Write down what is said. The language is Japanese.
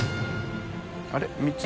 あれ？